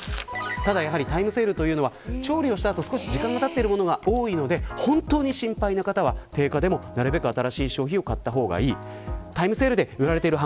ただタイムセールというのは調理してから時間がたっているものが多いので心配な方は定価でもなるべく新しい方を買った方がいいです。